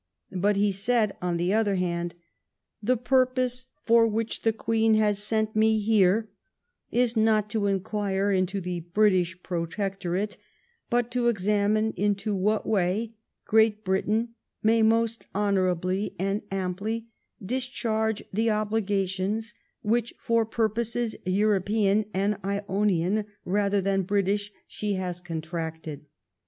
But, he said, on the other hand, the purpose for which the Queen has sent me here is not to inquire into the British Protectorate, but to examine into what way Great Britain may most honorably and amply discharge the obliga tions which, for purposes European and Ionian rather than British, she has contracted."